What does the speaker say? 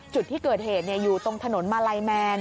จุดที่เกิดเหตุอยู่ตรงถนนมาลัยแมน